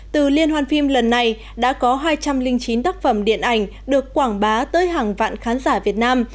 từ liên hoan phim lần này đã có hai trăm linh chín tác phẩm điện ảnh được quảng bá tới hàng vạn khán giả việt nam